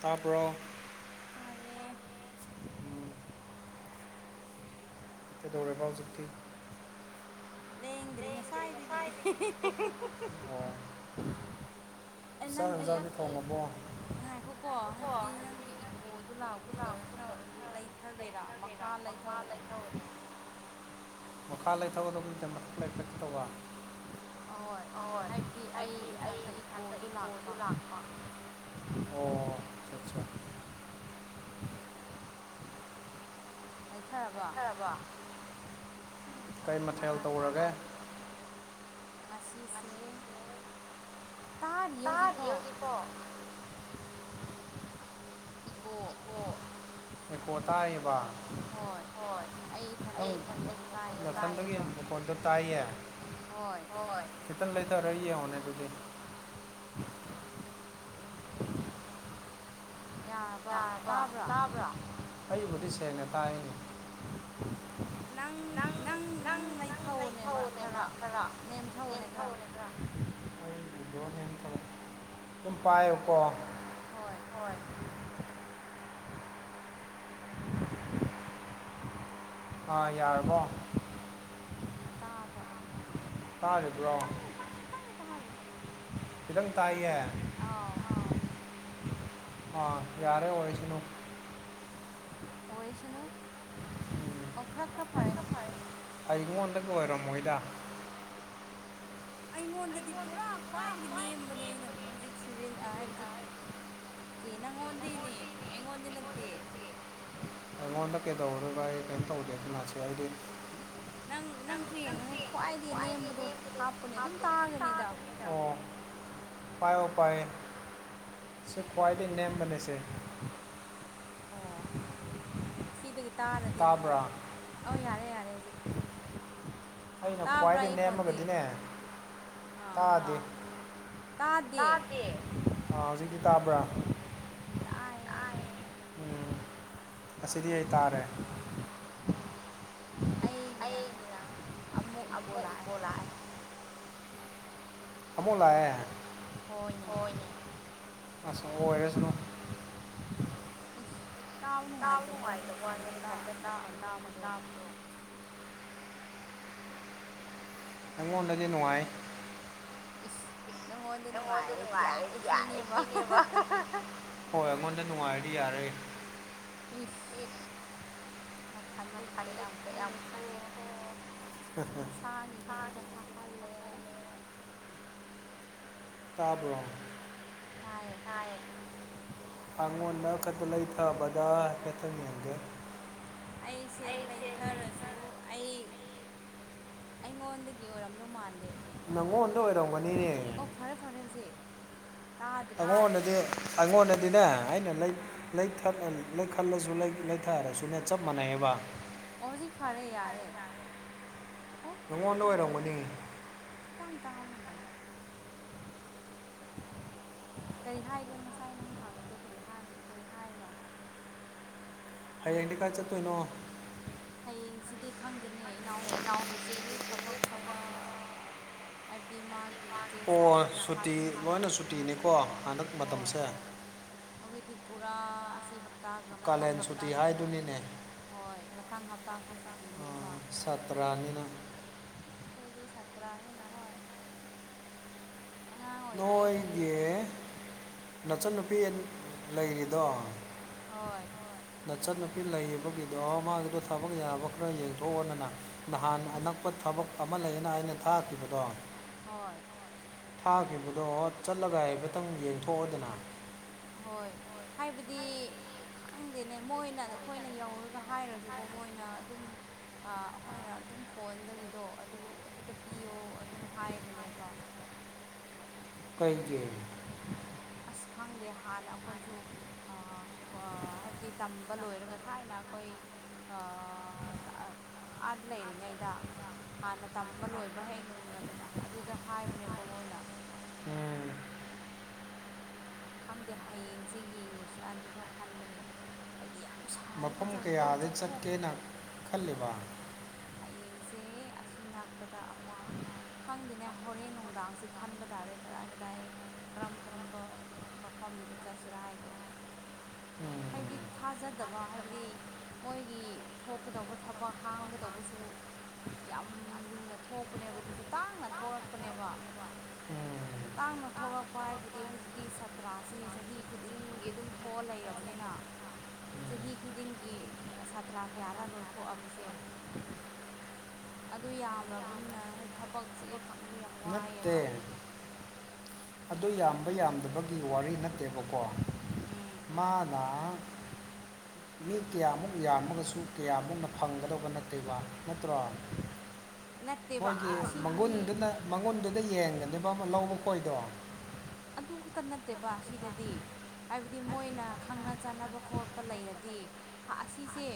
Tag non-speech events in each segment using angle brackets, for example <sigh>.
ꯇꯕ꯭ꯔꯣ ꯇꯥꯏꯌꯦ ꯀꯩꯗꯧꯔꯕ ꯍꯧꯖꯤꯛꯇꯤ <unintelligible> ꯂꯦꯡꯗ꯭ꯔꯤ ꯉꯁꯥꯢꯗꯒꯤ <unintelligible> <unintelligible> ꯑꯦ ꯅꯪꯒꯤ ꯉꯥꯏꯈꯣꯀꯣ ꯍꯥꯏꯕꯗꯤ ꯅꯪꯒꯤ ꯏ ꯢꯀꯣ ꯗꯨ ꯂꯥꯛꯄꯒꯨꯝ ꯇꯧꯋꯦ ꯈ꯭ꯔ ꯂꯩꯊꯒꯦꯔꯥ ꯃꯈꯥ ꯂꯩꯊꯧꯅꯦ ꯃꯈꯥ ꯂꯩꯊꯧꯒꯗꯧꯕ ꯅꯠꯇꯦ ꯃꯊꯛ ꯂꯩꯈꯠꯀ ꯇꯧꯕ ꯑꯥ ꯍꯣꯏ ꯍꯥꯏꯕꯗꯤ ꯑꯩ ꯏꯊꯟꯗ ꯏꯀꯣꯗꯨ ꯂꯥꯛꯄ ꯑꯣ ꯑꯠꯁꯥ ꯁꯥ ꯂꯩꯩꯊꯔꯕꯣ ꯕꯣ ꯀꯩ ꯃꯊꯦꯜ ꯇꯧꯔꯒꯦ ꯉꯁꯤꯁꯦ ꯇꯥꯔꯤꯌꯦ ꯍꯨꯖꯤꯛꯐꯥꯎ <unintelligible> ꯏꯀꯣ ꯢꯀꯣ ꯇꯔꯤꯌꯦꯕ ꯍꯣꯏ ꯑꯩ ꯏꯊꯟꯇꯒꯤ ꯃꯈꯣꯟꯗꯨ ꯇꯥꯏꯌꯦ ꯅꯊꯟꯇꯒꯤ ꯃꯈꯣꯟꯗꯨ ꯇꯥꯏꯌꯦ ꯍꯣꯏ ꯍꯣꯢ ꯈꯤꯇꯪ ꯂꯩꯊꯔ ꯌꯦꯡꯉꯣꯅꯦ ꯑꯗꯨꯗꯤ <unintelligible> ꯌꯥꯔꯥꯕꯣ ꯇꯥꯕ꯭ꯔꯣ ꯑꯩꯕꯨꯗꯤ ꯁꯦꯡꯅ ꯇꯥꯏꯅꯦ ꯅꯪ ꯅꯪ ꯅꯪ ꯂꯩꯊꯑꯣꯅꯦ ꯃꯔꯛ ꯈꯔ ꯅꯦꯝꯊꯑꯣꯅꯦ ꯈꯔ <unintelligible> <unintelligible> ꯑꯗꯨꯨꯝ ꯄꯥꯏꯌꯨꯀꯣ ꯍꯣꯏ ꯍꯣꯏ ꯑꯥ ꯌꯥꯔꯕꯣ <unintelligible> ꯇꯥꯕ꯭ꯔꯥ ꯑꯩꯒꯤ ꯇꯥꯔꯤꯕ꯭ꯔꯣ ꯇꯡ ꯇꯥꯔꯤ ꯈꯤꯇꯪ ꯇꯥꯏꯌꯦ ꯑꯥ ꯌꯥꯔꯦ ꯑꯣꯏꯁꯅꯨ ꯑꯣꯏꯁꯅꯨ ꯑꯣ ꯈ꯭ꯔ ꯈ꯭ꯔ ꯐꯔꯦ ꯑꯩꯉꯣꯟꯗꯒꯤ ꯑꯣꯏꯔꯝꯃꯣꯏꯗ ꯑꯩꯉꯣꯟꯗꯗꯤ ꯄꯨꯔꯥ ꯈ꯭ꯋꯥꯏꯗꯒꯤ ꯅꯦꯝꯕꯅꯦ ꯑꯩꯅ ꯍꯨꯖꯤꯛ ꯁꯤꯖꯤꯟ ꯑ ꯍꯥꯏꯕꯖꯤꯛ ꯇꯤ ꯅꯪꯉꯣꯟꯗꯩꯅꯦ ꯑꯩꯉꯣꯟꯗ ꯅꯠꯇꯦ ꯑꯩꯉꯣꯟꯗ ꯀꯩꯗꯧꯔꯤꯕ ꯑꯩ ꯀꯩꯝ ꯇꯧꯗꯦ <unintelligible> ꯑꯩꯗꯤ ꯅꯪ ꯅꯪꯁꯨ ꯌꯦꯡꯉꯨꯅꯦ ꯈ꯭ꯋꯥꯏꯗꯒꯤ ꯅꯦꯝꯕꯗꯣ ꯍꯥꯞꯄꯨꯅꯦ ꯑꯗꯨꯝ ꯇꯥꯒꯅꯤꯗ ꯑꯣ ꯄꯥꯏꯌꯣ ꯄꯥꯏꯌꯦ ꯁꯤ ꯈ꯭ꯋꯥꯗꯩ ꯅꯦꯝꯕꯅꯦ ꯁꯦ ꯑꯣ ꯁꯤꯗꯒꯤ ꯇꯥꯔꯗꯤ ꯑꯧ ꯌꯥꯔꯦ ꯌꯥꯔꯦ ꯍꯨꯖꯤꯛ ꯑꯩꯅ ꯈ꯭ꯋꯥꯏꯗꯩ ꯅꯦꯝꯃꯒꯗꯤꯅꯦ ꯇꯥꯗꯦ ꯇꯥꯗꯦ ꯑꯥ ꯍꯨꯖꯤꯛꯇꯤ ꯇꯥꯕ꯭ꯔꯥ ꯇꯥꯏꯌꯦ ꯑꯩ ꯢꯊꯟꯗ ꯎꯝ ꯑꯁꯤꯗꯤ ꯑꯩ ꯇꯥꯔꯦ ꯑꯩꯒꯤꯅ ꯑꯃꯨꯛ ꯏꯀꯣ ꯂꯥꯛꯑꯦ ꯑꯃꯨꯛ ꯂꯥꯛꯑꯦ ꯍꯣꯏꯅꯦ ꯑꯁ ꯑꯣꯏꯔꯁꯅꯨ ꯏꯁ ꯇꯥꯕ ꯅꯨꯡꯉꯥꯏꯇꯕ ꯋꯥꯅꯦ ꯏꯊꯟꯗ ꯇꯥ ꯃꯈꯣꯟ ꯇꯥꯕꯗꯣ ꯑꯩꯉꯣꯟꯗꯗꯤ ꯅꯨꯡꯉꯥꯏ ꯏꯁ ꯅꯪꯉꯣꯟꯗ ꯅꯨꯡꯉꯥꯏꯔꯗꯤ ꯌꯥꯔꯦ ꯁꯤꯅꯦꯕ ꯍꯣꯏ ꯑꯩꯉꯣꯟꯗ ꯅꯨꯡꯉꯥꯏꯔꯗꯤ ꯌꯥꯔꯦ ꯏꯁ ꯃꯊꯟꯗꯒꯤ ꯀꯌꯥꯝ ꯈꯜꯂꯦꯀꯣ ꯃꯁꯥꯒꯤ ꯈꯛꯇꯒ ꯍꯥ ꯈꯜꯂꯦ ꯇꯥꯕ꯭ꯔꯣ ꯇꯥꯏꯌꯦ ꯑꯉꯣꯟꯗ ꯈꯛꯇ ꯂꯩꯊꯥꯕꯗꯥ <unintelligible> ꯑꯩꯁꯦ ꯂꯩꯊꯥꯔꯁꯨ ꯑꯩ ꯑꯩꯉꯣꯟꯗꯒꯤ ꯑꯣꯏꯔꯝꯗꯧ ꯃꯥꯟꯗꯦ ꯅꯪꯉꯣꯟꯗ ꯑꯣꯏꯔꯝꯒꯅꯤꯌꯦ ꯑꯣ ꯐꯔꯦ ꯐꯔꯦ ꯍꯧꯖꯤꯛ ꯑꯩꯉꯣꯟꯗꯗꯤ ꯑꯩꯉꯣꯟꯗꯗꯤꯅꯦ ꯑꯩꯅ ꯂꯩ ꯂꯩ ꯊꯛꯅ ꯂꯩꯈꯜꯂꯁꯨ ꯂꯩ ꯂꯩꯊꯥꯔꯁꯨꯅꯦ ꯆꯞ ꯃꯥꯟꯅꯩꯌꯦꯕ ꯑꯣ ꯍꯧꯖꯤꯛ ꯐꯔꯦ ꯌꯥꯔꯦ ꯑꯣ ꯈꯤꯇꯪ ꯇꯥꯒꯨꯝꯇꯧꯋꯦ ꯈꯤꯇꯥꯡ ꯇꯥꯕꯒꯨꯝ ꯇꯧꯋꯦ ꯀꯔꯤ ꯍꯥꯏꯗꯅꯣ ꯉꯁꯥꯏ ꯅꯪ ꯍꯪꯉꯤꯗꯣ ꯀꯔꯤ ꯍꯥꯡ ꯀꯔꯤ ꯍꯥꯏꯅꯣ ꯍꯌꯦꯡꯗꯤ ꯀꯥꯏ ꯆꯠꯇꯣꯏꯅꯣ ꯍꯌꯦꯡꯁꯤꯗꯤ ꯈꯪꯗꯦꯅꯦ ꯏꯅꯥꯎꯅꯨꯄꯤꯒꯤꯁꯦ ꯊꯕꯛ ꯈꯔ ꯍꯥꯏꯕꯗꯤ ꯃꯥꯒꯤ ꯑꯣ ꯁꯨꯇꯤ ꯂꯣꯏꯅ ꯁꯨꯇꯤꯅꯤꯀꯣ ꯍꯟꯅꯛ ꯍꯣꯏ ꯑꯈꯣꯏꯗꯤ ꯄꯨꯔꯥ ꯑꯁꯤ ꯍꯥꯞ ꯇꯥꯒ ꯃꯊꯪ ꯍꯞꯇꯥꯒꯁꯨ ꯍꯣꯏ ꯃꯊꯪ ꯍꯞꯇꯥꯁꯨ ꯁꯨꯇꯤꯅꯦꯕ ꯇꯥꯔꯅꯤꯅ ꯑꯈꯣꯏꯗꯤ ꯁꯥꯇ꯭ꯔꯥꯅꯤꯅ ꯍꯣꯏ ꯅꯣꯏꯒꯤ ꯅꯆꯟꯅꯨꯄꯤ ꯂꯩꯔꯤꯗꯣ ꯍꯣꯏ ꯅꯆꯟ ꯅꯨꯨꯄꯤ ꯂꯩꯕꯒꯤꯗꯣ ꯃꯥꯒꯤꯗꯣ ꯊꯕꯛ ꯌꯥꯕ ꯈꯔ ꯌꯦꯡꯊꯣꯛꯑꯣꯑꯣꯅꯅꯥ ꯅꯍꯥꯟ ꯍꯅꯛꯄ ꯊꯕꯛ ꯑꯃ ꯂꯩꯌꯦꯅ ꯑꯩꯅ ꯊꯥꯈꯤꯕꯗꯣ ꯍꯣꯏ ꯊꯥꯈꯤꯕꯗꯣ ꯆꯠꯂꯒ ꯍꯥꯏꯐꯦꯠꯇꯪ ꯌꯦꯡꯊꯣꯛꯑꯣꯗꯅ ꯍꯣꯏ ꯍꯥꯏꯕꯗꯤ ꯈꯪꯗꯦꯅꯦ ꯃꯣꯏꯅ ꯑꯩꯈꯣꯏꯅ ꯌꯧꯔꯒ ꯍꯥꯏꯔꯁꯨꯀꯣ ꯃꯣꯏꯅ ꯑꯗꯨꯝ ꯑ ꯑꯈꯣꯏꯅ ꯑꯗꯨꯝ ꯐꯣꯟꯗꯒꯤꯗꯣ ꯑꯗꯨꯕꯨ ꯑꯗꯨꯗ ꯄꯤꯌꯣ ꯑꯗꯨꯝ ꯍꯥꯏꯕꯅꯦꯕ ꯀꯩꯒꯤ ꯑꯁ ꯈꯪꯗꯦ ꯍꯥꯟꯅ ꯑꯈꯣꯏꯁꯨ ꯑ ꯍꯥꯏꯕꯗꯤ ꯇꯝꯕ ꯂꯣꯏꯔꯒ ꯊꯥꯏꯅ ꯑꯈꯣꯏ ꯑ ꯑꯥꯗ ꯂꯩꯔꯤꯉꯩꯗ ꯍꯥꯟꯅ ꯇꯝꯕ ꯂꯣꯏꯕ ꯍꯦꯛ <unintelligible> ꯑꯗꯨꯗ ꯍꯥꯏꯕꯅꯦꯕ ꯃꯣꯏꯅ ꯈꯪꯗꯦ ꯍꯌꯦꯡꯁꯦ ꯌꯦꯡꯂꯨꯁꯤꯔꯗꯤ ꯊꯣꯛ ꯈꯟꯕꯅꯦ ꯍꯥꯏꯕꯗꯤ ꯌꯥꯝ ꯁꯥꯏꯕ ꯄꯨꯡ ꯀꯌꯥꯗ ꯆꯠꯀꯦꯅ ꯈꯜꯂꯤꯕ ꯍꯌꯦꯡꯁꯦ ꯑꯁꯤ ꯅꯛꯄꯥꯗ ꯑꯃ ꯫ ꯈꯪꯗꯦꯅꯦ ꯍꯣꯔꯦꯟ ꯅꯨꯡꯗꯥꯡꯁꯤ ꯈꯟꯕ ꯇꯥꯔꯦ ꯀꯗꯥꯏ ꯀꯗꯥꯏ꯫ ꯀꯔꯝ ꯀꯔꯝꯕ ꯃꯐꯝꯗꯨꯗ ꯆꯠꯁꯦꯔꯥ ꯍꯥꯏꯗꯣ ꯫ ꯍꯥꯏꯗꯤ ꯊꯥꯖꯗꯕ ꯍꯥꯏꯕꯗꯤ ꯃꯣꯏꯒꯤ ꯊꯣꯛꯀꯗꯧꯕ ꯊꯕꯛ ꯍꯥꯡꯒ ꯇꯧꯕꯁꯨ ꯌꯥꯝ ꯂꯨꯅ ꯊꯣꯛꯄꯅꯦꯕ ꯑꯗꯨꯁꯨ ꯇꯥꯡꯅ ꯊꯣꯛꯔꯛꯄꯅꯦꯕ ꯫ ꯇꯥꯡꯅ ꯊꯣꯛꯂꯛꯄ ꯍꯥꯏꯕꯗꯤ ꯍꯧꯖꯤꯛꯇꯤ ꯁꯥꯇ꯭ꯔꯁꯦ ꯆꯍꯤ ꯈꯨꯗꯤꯡꯒꯤ ꯑꯗꯨꯝ ꯊꯣꯛꯑ ꯂꯩꯔꯕꯅꯤꯅ ꯫ ꯆꯍꯤ ꯈꯨꯗꯤꯡꯒꯤ ꯁꯥꯇ꯭ꯔ ꯀꯌꯥꯔꯥ ꯂꯣꯏꯊꯣꯛꯑꯕꯁꯦ ꯫ ꯑꯗꯨ ꯌꯥꯝꯔꯕꯅꯤꯅ ꯍꯥꯏ ꯊꯕꯛꯁꯦ ꯐꯪꯕ ꯌꯥꯝ ꯋꯥꯏꯌꯦꯕ꯫ ꯑꯗꯨ ꯌꯥꯝꯕ ꯌꯥꯝꯗꯕꯒꯤ ꯋꯥꯔꯤ ꯅꯠꯇꯦꯕꯀꯣ꯫ ꯎꯝ ꯃꯥ ꯂꯥꯛꯑ ꯫ <inaudible> ꯃꯤ ꯀꯌꯥꯃꯨꯛ ꯌꯥꯝꯃꯒꯁꯨ ꯀꯌꯥꯃꯨꯛꯅ ꯐꯪꯒꯗꯧꯕ ꯅꯠꯇꯦꯕ ꯅꯠꯇ꯭ꯔꯣ꯫ ꯃꯣꯏꯒꯤ ꯃꯒꯨꯟꯗꯨꯅ ꯃꯒꯨꯟꯗꯨꯗ ꯌꯦꯡꯒꯅꯦꯕ ꯃ ꯂꯧꯕ ꯈꯣꯏꯗꯣ꯫ ꯑꯗꯨ ꯈꯠꯇ ꯅꯠꯇꯦꯕ ꯁꯤꯗꯗꯤ ꯫ ꯍꯥꯏꯕꯗꯤ ꯃꯣꯏꯅ ꯈꯪꯅ ꯆꯥꯟꯅꯕ ꯈꯣꯠꯄ ꯂꯩꯔꯗꯤ꯫ ꯍ ꯑꯁꯤꯁꯦ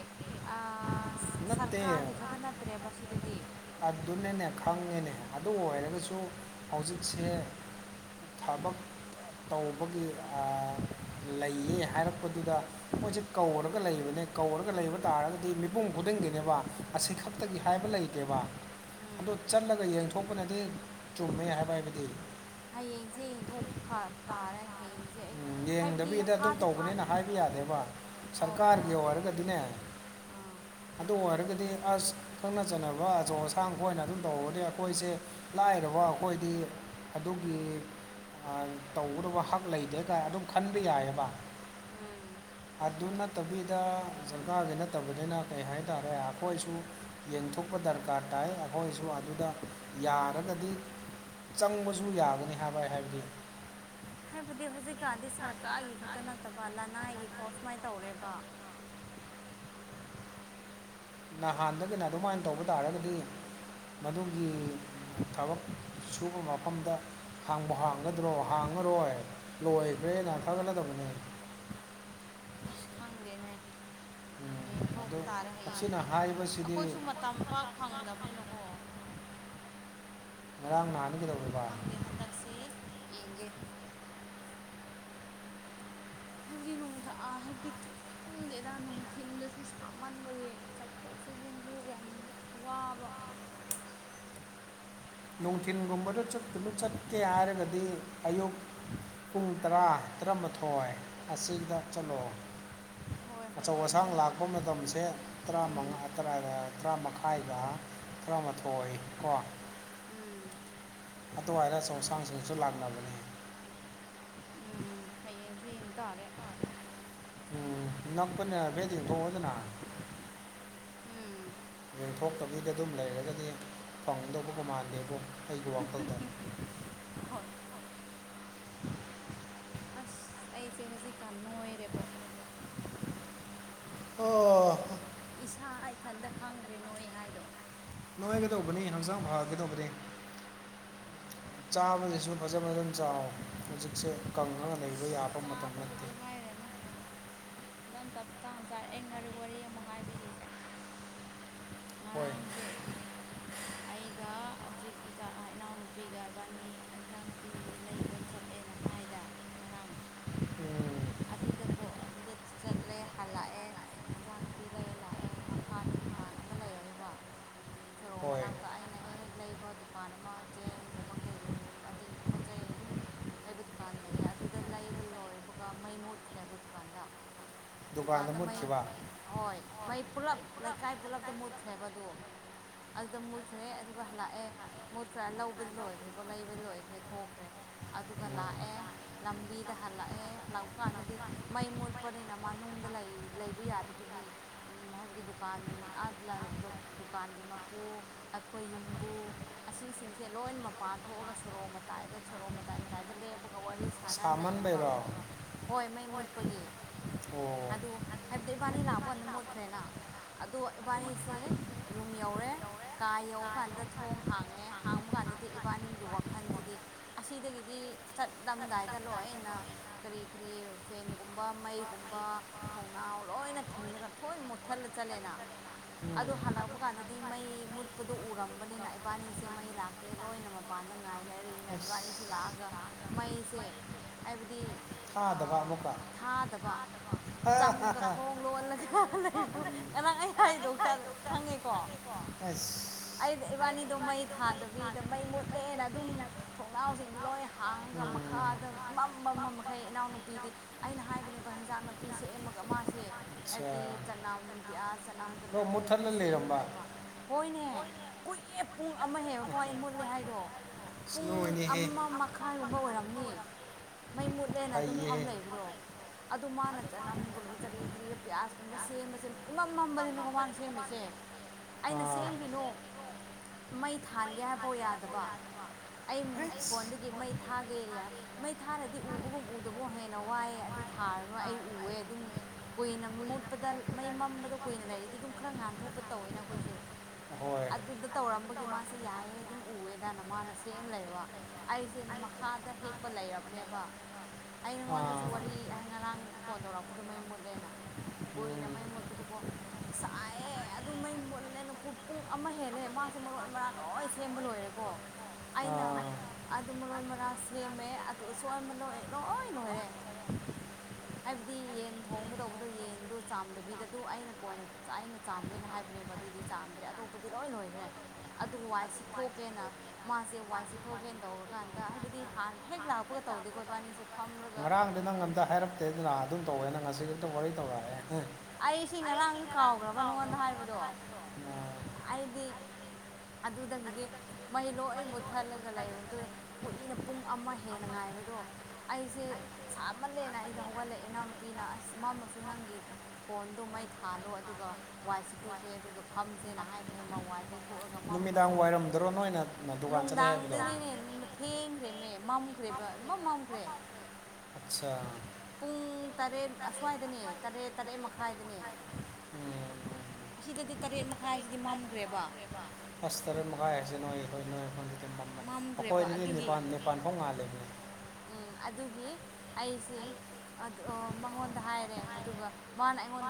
ꯑꯥ ꯁꯔꯀꯥꯔꯒꯤ ꯈꯛꯇ ꯅꯠꯇ꯭ꯔꯦꯕ ꯁꯤꯗꯗꯤ ꯫ ꯑꯗꯨꯅꯦꯅꯦ ꯈꯪꯉꯦꯅꯦ ꯑꯗꯨ ꯑꯣꯏꯔꯒꯁꯨ ꯍꯧꯖꯤꯛꯁꯦ꯫ ꯊꯕꯛ ꯇꯧꯕꯒꯤ ꯑꯥ ꯂꯩꯌꯦ ꯍꯥꯏꯔꯛꯄꯗꯨꯗ ꯫ ꯃꯣꯏꯁꯦ ꯀꯧꯔꯒ ꯂꯩꯕꯅꯦ ꯀꯧꯔꯒ ꯂꯩꯕ ꯇꯥꯔꯒꯗꯤ ꯃꯤꯄꯨꯝ ꯈꯨꯗꯤꯡꯒꯤꯅꯦꯕ꯫ ꯑꯁꯤ ꯈꯛꯇꯒꯤ ꯍꯥꯏꯕ ꯂꯩꯇꯦꯕ꯫ ꯑꯗꯣ ꯆꯠꯂꯒ ꯌꯦꯡꯊꯣꯛꯄꯅꯗꯤ ꯆꯨꯝꯃꯦ ꯍꯥꯏꯕ ꯍꯥꯏꯕꯗꯤ꯫ ꯍꯌꯦꯡꯁꯦ ꯌꯦꯡꯊꯣꯛꯄ ꯐ ꯇꯥꯔꯦ ꯍꯌꯦꯡꯁꯦ ꯑꯩ꯫ ꯌꯦꯡꯗꯕꯤꯗ ꯑꯗꯨꯝ ꯇꯧꯕꯅꯦꯅ ꯍꯥꯏꯕ ꯌꯥꯗꯦꯕ ꯁꯔꯀꯥꯔꯒꯤ ꯑꯣꯏꯔꯒꯗꯤꯅꯦ꯫ ꯑꯥ ꯑꯗꯨ ꯑꯣꯏꯔꯒꯗꯤ ꯑꯁ ꯈꯪꯅ ꯆꯟꯅꯕ ꯑꯆꯧ ꯑꯁꯥꯡ ꯈꯣꯏꯅ ꯑꯗꯨꯝ ꯇꯧꯔꯅꯤ ꯑꯩꯈꯣꯏꯁꯦ꯫ ꯂꯥꯏꯔꯕ ꯑꯩꯈꯣꯏꯗꯤ ꯑꯗꯨꯒꯤ ꯑꯥ ꯇꯧꯒꯗꯧꯕ ꯍꯛ ꯂꯩꯗꯦ ꯀꯥꯏ ꯑꯗꯨꯝ ꯈꯟꯕ ꯌꯥꯏꯌꯦꯕ ꯫ ꯎꯝ ꯑꯗꯨ ꯅꯠꯇꯕꯤꯗ ꯖꯔꯀꯥꯔꯒꯤ ꯅꯠꯇꯕꯅꯤꯅ ꯀꯩ ꯍꯥꯏꯇꯥꯔꯦ ꯑꯩꯈꯣꯏꯁꯨ ꯌꯦꯡꯊꯣꯛꯄ ꯗꯔꯀꯥꯔ ꯇꯥꯏ ꯑꯩꯈꯣꯏꯁꯨ ꯑꯗꯨꯗ ꯌꯥꯔꯒꯗꯤ ꯆꯪꯕꯖꯨ ꯌꯥꯒꯅꯤ ꯍꯥꯏꯕ ꯑꯩ ꯍꯥꯏꯕꯗꯤ ꯍꯥꯏꯕꯗꯤ ꯍꯧꯖꯤꯛꯀꯥꯟꯗꯤ ꯁꯔꯀꯥꯔꯒꯤ ꯈꯛꯇ ꯅꯠꯇꯕ ꯂꯅꯥꯏꯒꯤꯐꯥꯎ ꯁꯨꯃꯥꯏꯟ ꯇꯧꯔꯦꯕ꯫ ꯅꯍꯥꯟꯗꯒꯤꯅ ꯑꯗꯨꯃꯥꯏꯟ ꯇꯧꯕ ꯇꯥꯔꯒꯗꯤ ꯃꯗꯨꯒꯤ ꯊꯕꯛ ꯁꯨꯕ ꯃꯐꯝꯗ ꯍꯥꯡꯕ ꯍꯥꯡꯒꯗ꯭ꯔꯣ ꯍꯥꯡꯉꯔꯣꯏ ꯂꯣꯏꯒ꯭ꯔꯦꯅ ꯊꯒꯠꯂꯗꯕꯅꯦ ꯑꯁ ꯈꯪꯗꯦꯅꯦ꯫ ꯌꯦꯡ ꯊꯣꯛꯄ ꯇꯥꯔꯦ ꯍꯌꯦꯡꯁꯦ ꯑꯩꯈꯣꯏꯁꯨ ꯃꯇꯝ ꯄꯥꯛ ꯐꯪꯗꯕꯅꯤꯅꯀꯣ꯫ <inaudible> ꯉꯔꯥꯡ ꯅꯍꯥꯟꯗꯤ ꯀꯩꯗꯧ ꯈꯪꯗꯦ ꯍꯟꯗꯛꯁꯤ ꯌꯦꯡꯒꯦ꯫ ꯍꯥꯏꯕꯗꯤ ꯅꯣꯡꯊꯥ ꯑꯥ ꯍꯥꯏꯕꯗꯤ ꯀ ꯈꯪꯗꯦꯗ ꯅꯨꯡꯊꯤꯟꯗꯁꯨ ꯁꯥꯃꯟꯕꯒꯤ ꯆꯠꯊꯣꯛ ꯆꯠꯁꯤꯟꯁꯨ ꯌꯥꯝ ꯋꯥꯕ ꯅꯨꯡꯊꯤꯟꯒꯨꯝꯕꯗ ꯆꯠꯄꯗꯣ ꯆꯠꯀꯦ ꯍꯥꯏꯔꯒꯗꯤ ꯑꯌꯨꯛ ꯄꯨꯡ ꯇꯔꯥ ꯇꯔꯥꯃꯥꯊꯣꯏ ꯑꯁꯤꯗ ꯆꯠꯂꯣ ꯑꯆꯧ ꯑꯁꯥꯡ ꯂꯥꯛꯄ ꯃꯇꯝꯁꯦ ꯇꯔꯥꯃ ꯇꯔꯥꯃꯈꯥꯏꯒ ꯇꯔꯥꯃꯥꯊꯣꯏ ꯀꯣ ꯎꯝ ꯑꯗꯨꯋꯥꯏꯗ ꯑꯆꯧ ꯑꯁꯥꯡꯁꯤꯡꯁꯨ ꯂꯥꯛꯅꯕꯅꯤ ꯎꯝ ꯍꯌꯦꯡꯁꯦ ꯌꯦꯡ ꯇꯥꯔꯦ ꯎꯝ ꯅꯛꯄꯅꯦ ꯍꯥꯏꯐꯦꯠ ꯌꯦꯡꯊꯣꯛꯑꯣꯗꯅ ꯎꯝ ꯊꯣꯛꯇꯕꯤꯗ ꯑꯗꯨꯝ ꯂꯩꯔꯒꯗꯤ ꯐꯪꯗꯧꯕꯒ ꯃꯥꯥꯟꯗꯦꯕꯣ ꯑꯩꯒꯤ ꯋꯥꯈꯜꯗ ꯍꯣꯏ ꯑꯁ ꯑꯩꯁꯦ ꯍꯧꯖꯤꯛꯀꯥꯟ ꯅꯣꯏꯔꯦꯕꯣ ꯑꯣ ꯏꯁꯥ ꯑꯩꯊꯟꯇ ꯈꯪꯈ꯭ꯔꯦ ꯅꯣꯏ ꯍꯥꯏꯗꯣ ꯅꯣꯏꯒꯗꯧꯕꯅꯦ ꯍꯛꯆꯥꯡ ꯐꯥꯍꯟꯒꯗꯧꯕꯅꯦ ꯆꯥꯕꯕꯁꯤꯁꯨ ꯐꯖ ꯐꯖꯅ ꯆꯥꯎ ꯍꯧꯖꯤꯛꯁꯦ ꯀꯡꯉꯒ ꯂꯩꯕ ꯌꯥꯕ ꯃꯇꯝ ꯅꯠꯇꯦ ꯉꯥ ꯇꯞꯇꯥꯟ ꯆꯥꯔꯦ ꯑꯩ ꯉꯔꯤ ꯋꯥꯔꯤ ꯑꯃ ꯍꯥꯏꯕꯤꯒꯦꯁꯦ ꯉꯔꯥꯡꯁꯦ ꯑꯩꯒ ꯍꯧꯖꯤꯛ ꯏꯆꯥ ꯏꯅꯥꯎꯅꯨꯄꯤꯒ ꯏꯕꯥꯅꯤ ꯏꯟꯁꯥꯡ ꯅꯄꯤ ꯂꯩꯕ ꯆꯠꯂꯦꯅ ꯍꯥꯏꯗ ꯉꯔꯥꯡ <inaudible> <inaudible> ꯑꯗꯨꯗꯀꯣ ꯑꯗꯨꯗ ꯆꯠꯂꯦ ꯍꯜꯂꯛꯑꯦ ꯏꯟꯖꯥꯡ ꯅꯄꯤ ꯂꯩꯔꯒ ꯂꯥꯛꯑꯦ ꯃꯈꯥꯗ ꯗꯨꯀꯥꯟ ꯑꯃ ꯂꯩ ꯍꯥꯏꯌꯦꯕ ꯁꯣꯔꯣꯛ ꯃꯅꯥꯛꯇ ꯑꯩꯅ ꯍꯦꯛ ꯍꯦꯛ ꯂꯩꯕ ꯗꯨꯀꯥꯟ ꯑꯃ ꯆꯦꯡꯒꯨꯝꯕ ꯀꯔꯤ ꯀꯔꯤ ꯅꯣ ꯑꯗꯩ ꯄꯣꯠ ꯆꯩ ꯑꯗꯨꯝ ꯂꯩꯕ ꯗꯨꯀꯥꯟ ꯂꯩꯌꯦ ꯑꯗꯨꯗ ꯂꯩꯕ ꯂꯣꯏꯕ ꯑꯗꯨꯒ ꯃꯩ ꯃꯨꯠꯈ꯭ꯔꯦꯕ ꯗꯨꯀꯥꯟꯗ ꯗꯨꯀꯥꯟꯗ ꯃꯩ ꯍꯣꯏ ꯃꯩ ꯄꯨꯂꯞ ꯂꯩꯀꯥꯏ ꯄꯨꯜꯂꯞꯇ ꯃꯨꯠꯈ꯭ꯔꯦꯕꯗꯣ ꯑꯗꯨꯗ ꯃꯨꯠꯈ꯭ꯔꯦ ꯑꯗꯨꯒ ꯍꯟꯂꯛꯑꯦ ꯃꯨꯠꯈ꯭ꯔ ꯂꯧꯕꯗꯤ ꯂꯣꯏꯈ꯭ꯔꯦꯀꯣ ꯂꯩꯕ ꯂꯣꯏꯈ꯭ꯔꯦ ꯊꯣꯛꯈ꯭ꯔꯦ ꯑꯗꯨꯒ ꯂꯥꯛꯑꯦ ꯂꯝꯕꯤꯗ ꯍꯜꯂꯛꯑꯦ ꯂꯥꯛꯄ ꯀꯥꯟꯗꯗꯤ ꯃꯩ ꯃꯨꯠꯄꯅꯤꯅ ꯃꯅꯨꯡꯗ ꯂꯩ ꯂꯩꯕ ꯌꯥꯗꯕꯒꯤ ꯍꯥꯏꯕꯗꯤ ꯗꯨꯀꯥꯟ ꯗꯨꯀꯥꯟꯒꯤ ꯃꯄꯨ ꯑꯩꯈꯣꯏ ꯌꯨꯝꯕꯨ ꯑꯁꯤꯁꯤꯡꯁꯦ ꯂꯣꯏ ꯃꯄꯥꯟ ꯊꯣꯛꯑꯒ ꯁꯣꯔꯣꯛ ꯃꯇꯥꯏꯗ ꯁꯣꯔꯣꯛ ꯃꯇꯥꯏ ꯃꯇꯥꯏꯗ ꯂꯦꯞꯄꯒ ꯒ ꯋꯥꯔꯤ ꯁꯥꯟꯅ ꯂꯩꯔꯝꯕ ꯍꯣꯏ ꯃꯩ ꯃꯨꯠꯄꯒꯤ ꯑꯣ ꯑꯗꯨ ꯍꯥꯏꯕꯗꯤ ꯏꯕꯥꯅꯤ ꯂꯥꯛꯄꯀꯥꯟꯗ ꯃꯨꯠꯈ꯭ꯔꯦꯅ ꯑꯗꯣ ꯏꯕꯥꯅꯤꯁꯦ ꯔꯨꯝ ꯌꯧꯔꯦ ꯀꯥ ꯌꯧꯕ ꯀꯥꯟꯗ ꯊꯣꯡ ꯍꯥꯡꯉꯦ ꯍꯥꯡꯕ ꯀꯥꯟꯗꯗꯤ ꯏꯕꯥꯅꯤꯡꯒꯤ ꯋꯥꯈꯜꯁꯤꯗꯤ ꯑꯁꯤꯗꯒꯤꯗꯤ ꯆꯠꯂꯝꯗꯥꯏꯗ ꯂꯣꯏꯅ ꯀꯔꯤ ꯀꯔꯤ ꯐꯦꯟꯒꯨꯝꯕ ꯃꯩꯒꯨꯝꯕ ꯊꯣꯡꯅꯥꯎ ꯂꯣꯏꯅ ꯊꯤꯡꯉꯒ ꯂꯣꯏ ꯃꯨꯠꯊꯠꯂ ꯆꯠꯂꯦꯅ ꯑꯗꯣ ꯍꯜꯂꯛꯄ ꯀꯥꯟꯗꯗꯤ ꯃꯩ ꯃꯨꯠꯄꯗꯣ ꯎꯔꯝꯕꯅꯤꯅ ꯏꯕꯥꯅꯤꯁꯦ ꯃꯩ ꯂꯥꯛ ꯂꯣꯏꯅ ꯃꯄꯥꯟꯗ ꯉꯥꯏꯅꯔꯤꯅ ꯏꯕꯅꯤꯁꯨ ꯂꯥꯛꯑꯒ ꯃꯩꯁꯦ ꯍꯥꯏꯕꯗꯤ ꯑꯥ ꯊꯥꯗꯕ ꯆꯪꯉꯒ ꯊꯣꯡ ꯂꯣꯜꯂꯒ ꯂꯩꯕꯗꯨ ꯉꯔꯥꯡ ꯑꯩ ꯍꯥꯏꯗꯣꯀꯅ ꯈꯪꯉꯦꯀꯣ <unintelligible> ꯑꯁ ꯑꯩꯗ‌ꯣ ꯏꯕꯥꯅꯤꯗꯣ ꯃꯩ ꯊꯥꯟꯗꯕꯤꯗ ꯃꯩ ꯃꯨꯠꯂꯦꯅ ꯑꯗꯨꯝ ꯊꯣꯡꯅꯥꯎꯁꯤꯡ ꯂꯣꯏ ꯍꯥꯡꯉꯒ ꯃꯈꯥꯗ ꯃꯝ ꯃꯝ ꯃꯈꯩ ꯏꯅꯥꯎꯅꯨꯄꯤꯗꯤ ꯑꯩꯅ ꯍꯥꯏꯕꯅꯦꯕ ꯍꯦꯟꯖꯥꯡ ꯅꯄꯤ ꯁꯦꯝꯃꯒ ꯃꯥꯁꯦ ꯍꯥꯏꯕꯗꯤ ꯆꯅꯝ ꯄꯤꯌꯁ ꯆꯅꯝ ꯀ ꯀꯔꯤ ꯈꯔ ꯁꯦꯝꯔꯒ ꯂꯩꯕ ꯍꯣꯏꯅꯦ ꯀꯨꯏꯌꯦ ꯄꯨꯡ ꯑꯃ ꯍꯦꯟꯕꯐꯥꯎ ꯑꯩ ꯃꯨꯠꯂꯦ ꯍꯥꯏꯗꯣ ꯄꯨꯡ ꯑꯃ ꯃꯈꯥꯏꯒꯨꯝꯕ ꯑꯣꯏꯔꯝꯅꯤ ꯃꯩ ꯃꯨꯠꯂꯦꯅ ꯑꯗꯨꯝ ꯐꯝ ꯂꯩꯕꯗꯣ ꯑꯗꯨ ꯃꯥꯅ ꯆꯅꯝ ꯒ꯭ꯔꯨ ꯀꯔꯤ ꯀꯔꯤ ꯄꯤꯌꯥꯁꯀꯨꯝꯕ ꯁꯦꯝꯕꯁꯦ ꯏꯃꯝꯃꯝꯕꯅꯤꯅꯀꯣ ꯃꯥꯅ ꯁꯦꯝꯃꯤ ꯁ‌ꯦ ꯑꯩꯅ ꯁꯦꯝꯈꯤꯅꯨ ꯃꯩ ꯊꯥꯟꯒꯦ ꯍꯥꯏꯕꯐꯧ ꯌꯥꯗꯕ ꯑꯩ ꯐꯣꯟꯗꯒꯤ ꯃꯩ ꯊꯥꯒꯦ ꯌ ꯃꯩ ꯊꯥꯔꯗꯤ ꯎ ꯎꯕꯒꯨꯝ ꯎꯗꯕꯨꯝ ꯍꯦꯟꯅ ꯋꯥꯏꯌ‌ꯦ ꯑꯗꯨ ꯊꯥꯔꯔꯣꯏ ꯑꯩ ꯎꯋ‌ꯦ ꯑꯗꯨꯝ ꯀꯨꯏꯅ ꯃꯨꯠꯄꯗ ꯃꯩ ꯃꯝꯕꯗ‌ꯣ ꯀꯨꯏꯅ ꯂꯩꯔꯗꯤ ꯑꯗꯨꯝ ꯈꯔ ꯉꯥꯟꯊꯣꯛꯄ ꯇꯧꯋꯦꯅ ꯑꯈꯣꯏꯁꯨ ꯑꯗꯨꯗ ꯇꯧꯔꯝꯕꯒꯤ ꯃꯥꯁꯦ ꯌꯥꯏꯌ‌ꯦ ꯑꯗꯨꯝ ꯎꯋ‌ꯦꯗꯅ ꯃꯥꯅ ꯁꯦꯝ ꯂꯩꯕ ꯑꯩꯁꯦ ꯃꯈꯥꯗ ꯍꯤꯞꯄ ꯂꯩꯔꯕꯅꯦꯕ ꯑꯩ ꯅꯉꯣꯟꯗꯁꯨ ꯋꯥꯔꯤ <unintelligible> ꯉꯔꯥꯡ ꯐꯣꯟ ꯇꯧꯔꯛꯄꯗꯨ ꯃꯩ ꯃꯨꯠꯂꯦꯅꯥ ꯀꯨꯏꯅ ꯃꯩ ꯃꯨꯠꯄꯗꯀꯣ ꯑ ꯁꯥꯏꯌ‌ꯦ ꯑꯗꯨ ꯃꯩ ꯃꯨꯜꯂꯦꯀꯨ ꯄꯨꯡ ꯑꯃ ꯍꯦꯜꯂꯦ ꯃꯥꯁꯦ ꯃꯔꯣꯏ ꯃꯔꯥꯟ ꯂꯣꯏ ꯁꯦꯝꯕ ꯂꯣꯏꯔꯦ ꯀꯣ ꯑꯩꯅ ꯑꯗꯨ ꯃꯔꯣꯏ ꯃꯔꯥꯡ ꯁꯦꯝꯃꯦ ꯑꯗꯨ ꯁꯣꯏꯃ ꯂ‌ꯣꯏ ꯂꯣꯏꯟ ꯂꯣꯏꯔꯦ ꯍꯥꯏꯕꯗꯤ ꯌꯦꯟ ꯊꯣꯡꯒꯗꯧꯕꯗꯣ ꯌꯦꯟꯗꯣ ꯆꯥꯝꯗꯕꯤꯗꯗꯨ ꯑꯩꯅ ꯀꯣꯟꯅ ꯆ ꯑꯩꯅ ꯆꯥꯝꯒꯦꯅ ꯍꯥꯏꯕꯅꯦꯕ ꯑꯗꯨꯗꯤ ꯆꯥꯝꯗ꯭ꯔꯦ ꯑꯇꯣꯞꯄꯗꯤ ꯂꯣꯏꯟ ꯂꯣꯏꯈ꯭ꯔꯦ ꯑꯗꯨ ꯋꯥꯏ ꯁꯤꯊꯣꯛꯀꯦꯅ ꯃꯥꯁꯦ ꯋꯥꯏꯁꯤꯊꯣꯛꯀꯦꯟ ꯇꯧꯔꯀꯥꯟꯗ ꯍꯥꯏꯕꯗꯤ ꯍꯥꯟꯅ ꯍꯦꯛ ꯂꯥꯛꯄꯒ ꯇꯧꯗꯦꯀꯣ ꯏꯕꯥꯅꯤꯁꯦ ꯉꯔꯥꯡꯗꯤ ꯅꯪ ꯑꯝꯇ ꯍꯥꯏꯔꯛꯇꯦꯗꯅ ꯑꯗꯨꯝ ꯇꯧꯋꯦ ꯅꯪ ꯉꯁꯤ ꯈꯛꯇ ꯋꯥꯔꯤ ꯇꯧꯔꯑꯦ ꯑꯩ ꯁꯤ ꯉꯔꯥꯡꯁꯨ ꯀꯥꯎꯈ꯭ꯔꯕ ꯅꯉꯣꯟꯗ ꯍꯥꯏꯕꯗꯣ ꯑꯩꯗꯤ ꯑꯗꯨꯗꯒꯤꯗꯤ ꯃꯩ ꯂꯣꯏꯟ ꯃꯨꯊꯠꯂꯒ ꯂꯩꯔꯕꯗꯨ ꯀꯨꯏꯅ ꯄꯨꯡ ꯑꯃ ꯍꯦꯟꯅ ꯉꯥꯏꯕꯗꯣ ꯑꯩꯁꯦ ꯁꯥꯃꯜꯂꯦꯅ ꯑꯩꯗ‌ꯣ ꯍꯧꯒꯠꯂ‌ꯦꯑꯦ ꯏꯅꯥꯎꯅꯨꯄꯤꯅ ꯑꯁ ꯃꯝꯃꯁꯨ ꯅꯪꯒꯤ ꯐꯣꯟꯗꯣ ꯃꯩ ꯊꯥꯜꯂꯣ ꯑꯗꯨꯒ ꯋꯥꯏꯁꯤꯇꯣꯛꯀꯦ ꯑꯗꯨꯒ ꯐꯝꯁꯦꯅ ꯍꯥꯏꯕꯅꯤ ꯃꯥ ꯋꯥꯏꯠ ꯇꯩꯊꯣꯛꯔꯒ ꯃꯝꯃꯁꯨ ꯑ ꯅꯨꯡꯗꯥꯡꯗꯅꯤꯅꯦ ꯅ ꯊꯦꯡꯈ꯭ꯔꯦꯃꯦ ꯃꯝꯈ꯭ꯔꯦꯕ ꯃꯝꯃꯝꯈ꯭ꯔꯦ ꯑꯠꯆꯥ ꯄꯨꯡ ꯇꯔꯦꯠ ꯑꯁ꯭ꯋꯥꯏꯗꯅꯦ ꯇꯔꯦꯠ ꯇꯔꯦꯠ ꯃꯈꯥꯏꯗꯅꯦ ꯑꯁꯤꯗꯗꯤ ꯇꯔꯦꯠ ꯃꯈꯥꯏꯁꯤꯗꯤ ꯃꯝꯈ꯭ꯔꯦꯕ ꯑꯁ ꯇꯔ‌ꯦꯠ ꯃꯈꯥꯏ ꯍꯥꯏꯁꯦ ꯅꯣꯏ ꯑꯩꯈꯣꯏ ꯅꯣꯏ ꯑꯩꯈꯣꯏꯗꯤ <unintelligible> ꯃꯝꯃꯦ ꯑꯩꯈꯣꯏꯗꯗꯤ ꯅꯤꯄꯥꯟ ꯅꯤꯄꯥꯟꯐꯥꯎ ꯉꯥꯜꯂꯤꯕ <unintelligible> ꯎꯝ ꯑꯗꯨꯒꯤ ꯑꯩꯁꯦ ꯑꯠ ꯑꯣ ꯃꯉꯣꯟꯗ ꯍꯥꯏꯔꯦ ꯑꯗꯨꯒ ꯃꯥꯅ ꯑꯩꯉꯣꯟ